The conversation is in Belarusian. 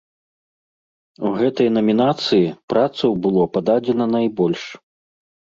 У гэтай намінацыі працаў было пададзена найбольш.